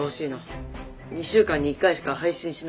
２週間に１回しか配信しないニュースだし。